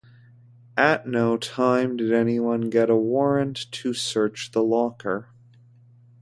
At no time did anyone get a warrant to search the locker.